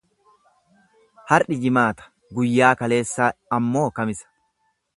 Har'i Jimaata guyyaa kaleessaa ammoo Kamisa.